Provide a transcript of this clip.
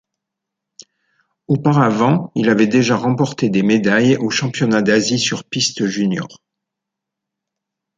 Auparavant, il avait déjà remporté des médailles aux championnats d'Asie sur piste juniors.